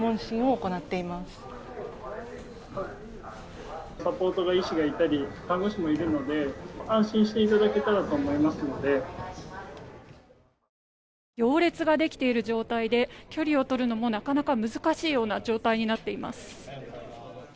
行列ができている状態で距離を取るのもなかなか難しいような状態になっています。